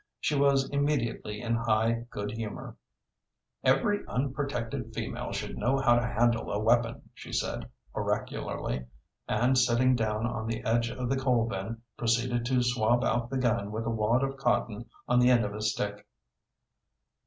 She was immediately in high good humor. "Every unprotected female should know how to handle a weapon," she said oracularly, and, sitting down on the edge of the coal bin, proceeded to swab out the gun with a wad of cotton on the end of a stick.